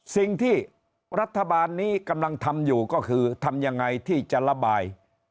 สิ่งที่รัฐบาลนี้กำลังทำอยู่ก็คือทำยังไงที่จะระบาย